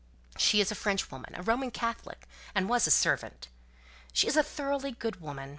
She is a Frenchwoman, a Roman Catholic, and was a servant. She is a thoroughly good woman.